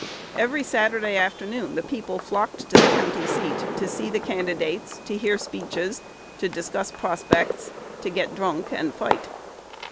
Every Saturday afternoon the people flocked to the county seat, to see the candidates, to hear speeches, to discuss prospects, to get drunk and fight.